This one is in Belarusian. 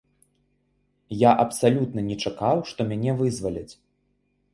Я абсалютна не чакаў, што мяне вызваляць.